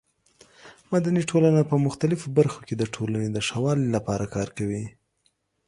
مدني ټولنه په مختلفو برخو کې د ټولنې د ښه والي لپاره کار کوي.